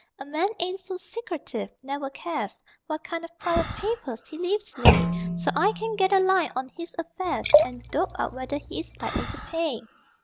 A man ain't so secretive, never cares What kind of private papers he leaves lay, So I can get a line on his affairs And dope out whether he is likely pay.